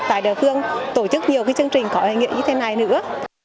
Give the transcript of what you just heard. tại địa phương tổ chức nhiều chương trình có ý nghĩa như thế này nữa